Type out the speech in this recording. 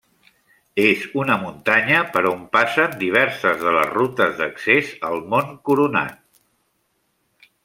És una muntanya per on passen diverses de les rutes d'accés al Mont Coronat.